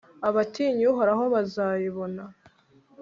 abatinya uhoraho bazayibona